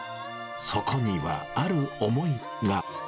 そこには、ある思いが。